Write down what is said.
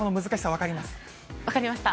分かりました。